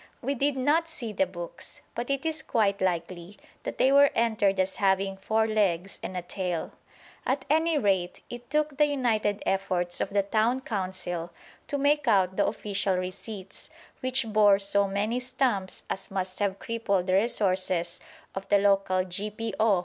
We did not see the books, but it is quite likely that they were entered as having "four legs and a tail." At any rate it took the united efforts of the Town Council to make out the official receipts, which bore so many stamps as must have crippled the resources of the local G.P.O.